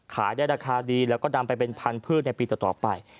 ขายได้ราคาดีแล้วก็นำไปเป็นพันธุ์ในปีต่อไป